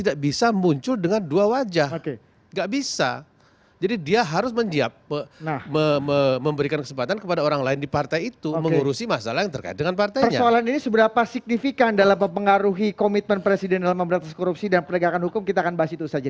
kalau emang ada orang yang mengatakan ini